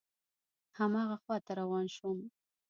هماغه خواته روان شوم.